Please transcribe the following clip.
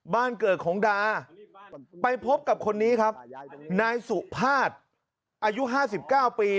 บ้านเกิดของดาไปพบกับคนนี้ครับนายสุภาษอายุ๕๙ปี